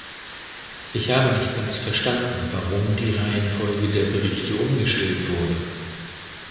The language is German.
Ich habe nicht ganz verstanden, warum die Reihenfolge der Berichte umgestellt wurde.